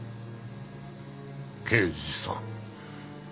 刑事さん。